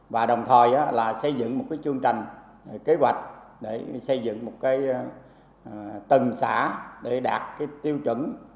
và đồng thời xây dựng một chương trình kế hoạch